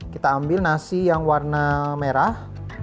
kita ambil nasi yang warna merah